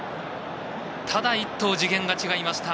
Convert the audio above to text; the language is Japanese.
ただ一頭次元が違いました。